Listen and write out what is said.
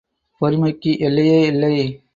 பொறுமைக்கு எல்லையே இல்லை!